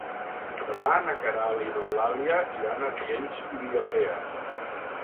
Demà na Queralt i n'Eulàlia iran a Riells i Viabrea.